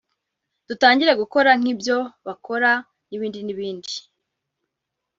dutangire gukora nk'ibyo bakora n'ibindi n'ibindi